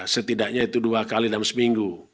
setidaknya itu dua kali dalam seminggu